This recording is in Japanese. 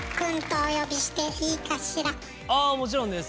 ああもちろんです！